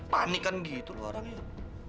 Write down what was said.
panik kan gitu loh orangnya